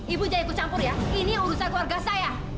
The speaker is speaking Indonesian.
ibu jangan ikut campur ya ini urusan keluarga saya